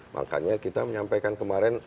makanya kita menyampaikan kemarin